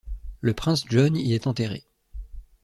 Le prince John y est enterré.